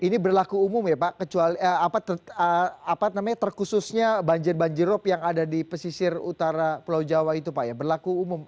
ini berlaku umum ya pak apa namanya terkhususnya banjir banjirop yang ada di pesisir utara pulau jawa itu pak ya berlaku umum